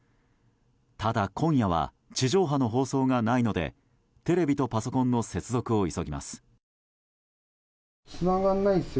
ただ、今夜は地上波の放送がないのでテレビとパソコンの接続を急ぎます。